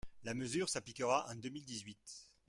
La mesure s’appliquera en deux mille dix-huit